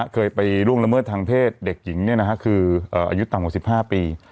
เคยไปล่วงละเมิดทางเพศเด็กหญิงเนี่ยนะฮะคืออายุต่างหกสิบห้าปี